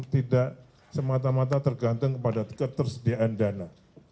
tidak semata mata tergantung kepada ketersediaan dana